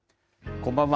こんばんは。